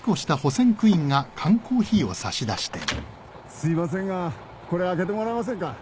すみませんがこれ開けてもらえませんか？